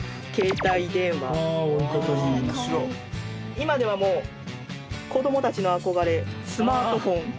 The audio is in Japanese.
今ではもう子供たちの憧れスマートフォン。